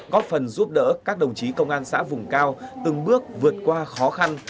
góp phần giúp đỡ các đồng chí công an xã vùng cao từng bước vượt qua khó khăn